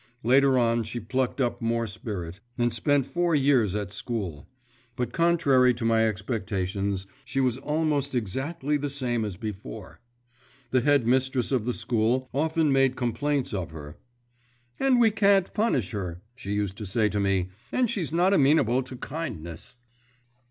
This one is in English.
Later on she plucked up more spirit, and spent four years at school; but, contrary to my expectations, she was almost exactly the same as before. The headmistress of the school often made complaints of her, "And we can't punish her," she used to say to me, "and she's not amenable to kindness."